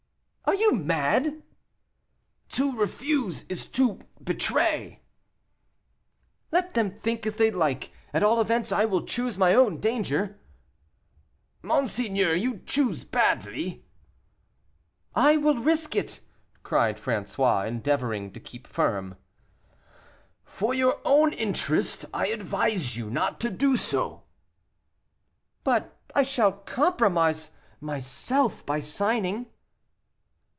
"Are you mad?" "To refuse is to betray." "Let them think as they like; at all events I will choose my own danger." "Monseigneur, you choose badly." "I will risk it," cried François, endeavoring to keep firm. "For your own interest I advise you not to do so." "But I shall compromise myself by signing."